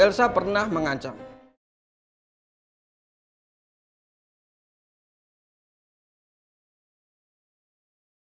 bu elsa telah menyuap dia lima ratus juta